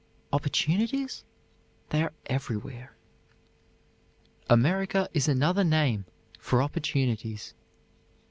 Opportunities? They are everywhere. "America is another name for opportunities.